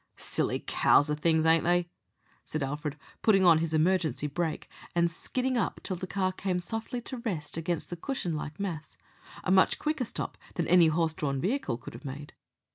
"Silly cows o' things, ain't they?" said Alfred, putting on his emergency brake, and skidding up till the car came softly to rest against the cushion like mass a much quicker stop than any horse drawn vehicle could have made.